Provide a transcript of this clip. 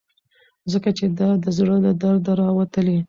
ځکه چې دا د زړه له درده راوتلي.